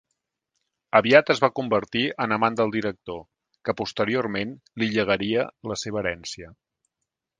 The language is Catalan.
Aviat es va convertir en amant del director, que posteriorment li llegaria la seva herència.